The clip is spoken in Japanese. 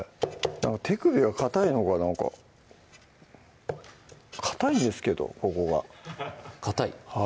手首がかたいのかなんかかたいんですけどここがかたい？